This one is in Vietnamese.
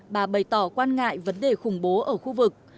bà bày tỏ quan ngại vấn đề khủng bố ở khu vực